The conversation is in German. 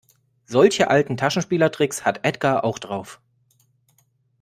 Solche alten Taschenspielertricks hat Edgar auch drauf.